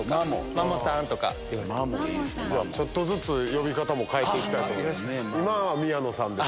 ちょっとずつ呼び方も変えて行きたいと思います。